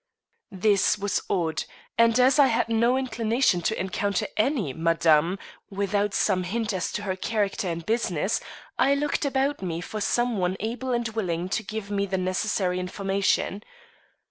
This was odd; and as I had no inclination to encounter any "madame" without some hint as to her character and business, I looked about me for some one able and willing to give me the necessary information.